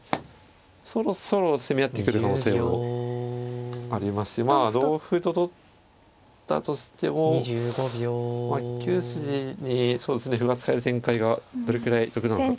そろそろ攻め合ってくる可能性もありますしまあ同歩と取ったとしても９筋に歩が使える展開がどれくらい得なのか。